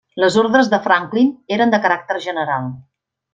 Les ordres de Franklin eren de caràcter general.